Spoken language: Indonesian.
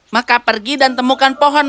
maka pergi dan temukan pohon